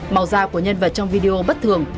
màu da của nhân vật trong video bất thường